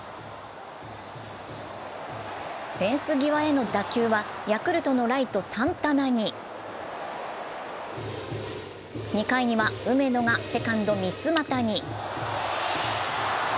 フェンス際への打球はヤクルトのライト・サンタナに２回には梅野がセカンド、三ツ俣に。